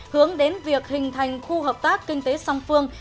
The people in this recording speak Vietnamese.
hướng đến việc hình thành khu hợp tác kinh tế song phương